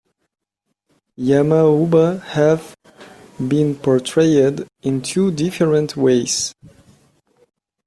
Yamauba have been portrayed in two different ways.